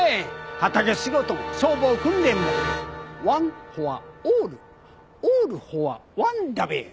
畑仕事も消防訓練もワンフォアオールオールフォアワンだべ。